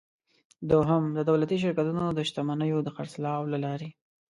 دوهم: د دولتي شرکتونو د شتمنیو د خرڅلاو له لارې.